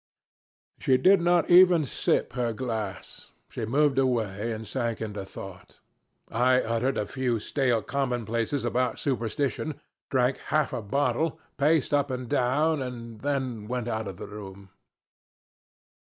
She did not even sip her glass, she moved away and sank into thought. I uttered a few stale commonplaces about superstition, drank half a bottle, paced up and down, and then went out of the room.